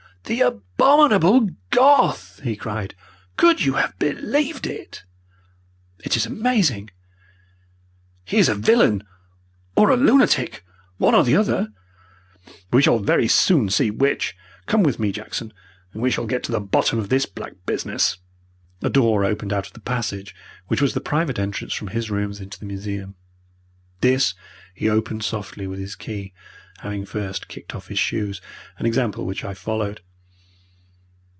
"The abominable Goth!" he cried. "Could you have believed it?" "It is amazing." "He is a villain or a lunatic one or the other. We shall very soon see which. Come with me, Jackson, and we shall get to the bottom of this black business." A door opened out of the passage which was the private entrance from his rooms into the museum. This he opened softly with his key, having first kicked off his shoes, an example which I followed.